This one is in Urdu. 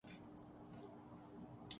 تم سب کچھ حاصل نہیں کر سکتے۔